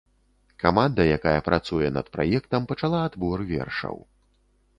Каманда, якая працуе над праектам, пачала адбор вершаў.